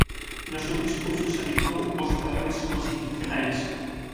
No seu discurso salientou "os valores constitucionais".